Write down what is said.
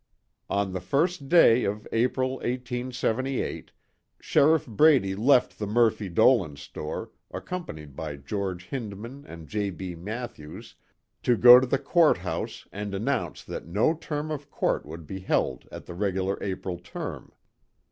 On the first day of April, 1878, Sheriff Brady left the Murphy Dolan store, accompanied by George Hindman and J. B. Mathews to go to the Court House and announce that no term of court would be held at the regular April term.